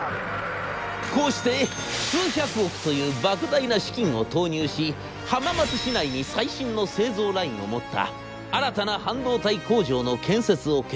こうして数百億というばく大な資金を投入し浜松市内に最新の製造ラインを持った新たな半導体工場の建設を決定。